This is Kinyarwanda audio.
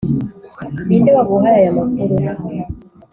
ninde waguhaye aya makuru?